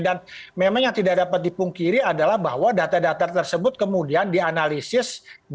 dan memang yang tidak dapat dipungkiri adalah bahwa data data tersebut kemudian dianalisis